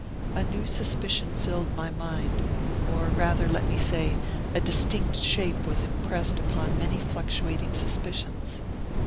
A new suspicion filled my mind, or rather, let me say, a distinct shape was impressed upon many fluctuating suspicions.